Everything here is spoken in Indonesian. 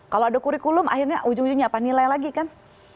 kalau ada kurikulum akhirnya ujung ujungnya apa nilai lagi kan